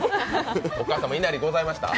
お母さん、いなりございました？